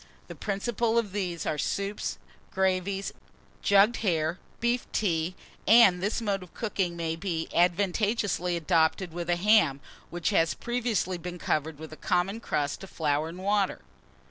The principal of these are soup, gravies, jugged hare, beef tea; and this mode of cooking may be advantageously adopted with a ham, which has previously been covered with a common crust of flour and water.